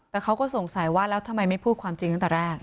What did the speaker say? แต่เขาก็สงสัยว่าแล้วทำไมไม่พูดความจริงตั้งแต่แรก